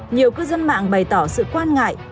nhiều cư dân mạng bày tỏ sự quan ngại